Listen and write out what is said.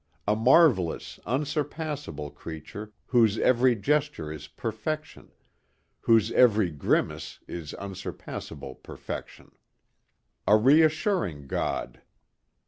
A marvelous, unsurpassable creature whose every gesture is perfection, whose every grimace is unsurpassable perfection. A reassuring God.